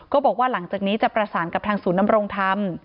ก็บอกว่าหลังจากนี้จะประสานกับทางศูนย์นำรงธรรม